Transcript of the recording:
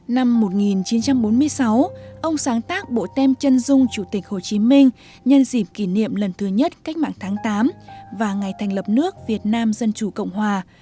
năm một nghìn chín trăm bốn mươi sáu ông sáng tác bộ tem chân dung chủ tịch hồ chí minh nhân dịp kỷ niệm lần thứ nhất cách mạng tháng tám và ngày thành lập nước việt nam dân chủ cộng hòa